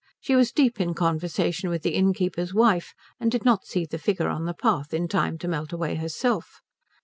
She was deep in conversation with the innkeeper's wife, and did not see the figure on the path in time to melt away herself.